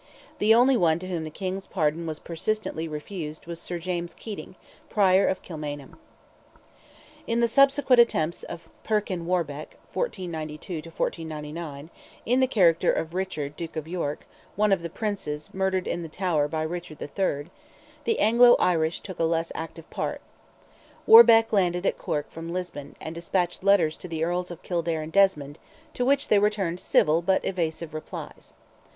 The only one to whom the King's pardon was persistently refused was Sir James Keating, Prior of Kilmainham. In the subsequent attempts of Perkin Warbeck (1492 1499), in the character of Richard, Duke of York, one of the Princes murdered in the tower by Richard III., the Anglo Irish took a less active part. Warbeck landed at Cork from Lisbon, and despatched letters to the Earls of Kildare and Desmond, to which they returned civil but evasive replies.